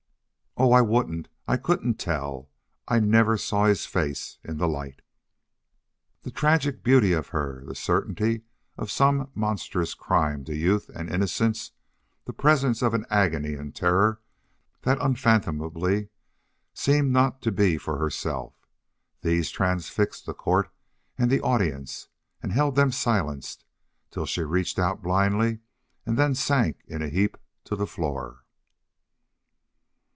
"Oh, I wouldn't. I COULDN'T TELL!... I NEVER SAW HIS FACE IN THE LIGHT!" The tragic beauty of her, the certainty of some monstrous crime to youth and innocence, the presence of an agony and terror that unfathomably seemed not to be for herself these transfixed the court and the audience, and held them silenced, till she reached out blindly and then sank in a heap to the floor.